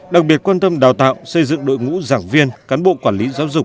đặc biệt quan tâm đào tạo xây dựng đội ngũ giảng viên cán bộ quản lý giáo dục